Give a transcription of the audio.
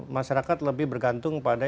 masyarakat lebih bergantung pada